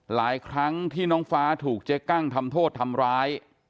หลายครั้งที่น้องฟ้าถูกเจ๊กั้งทำโทษทำร้าย